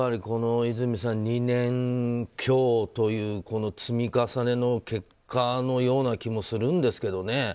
この２年強という積み重ねの結果のような気もするんですけどね。